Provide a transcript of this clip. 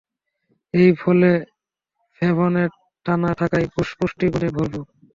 এ ফলে ফ্ল্যাভোনয়েড থাকায় পুষ্টিগুণে ভরপুর।